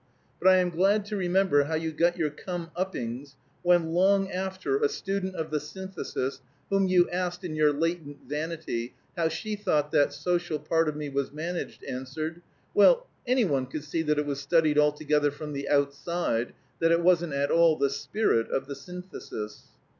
But I am glad to remember how you got your come uppings when, long after, a student of the Synthesis whom you asked, in your latent vanity, how she thought that social part of me was managed, answered, 'Well, any one could see that it was studied altogether from the outside, that it wasn't at all the spirit of the Synthesis.'